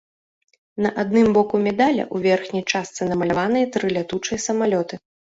На адным боку медаля ў верхняй частцы намаляваныя тры лятучыя самалёты.